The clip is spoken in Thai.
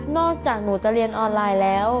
จากหนูจะเรียนออนไลน์แล้ว